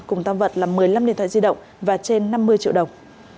cùng tam vật là một mươi năm điện thoại di động và trên năm mươi triệu đồng